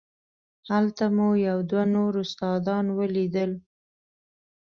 هلته مو یو دوه نور استادان ولیدل.